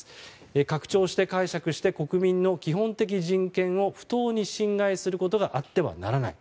拡張して解釈して国民の基本的人権を不当に侵害することがあってはならない。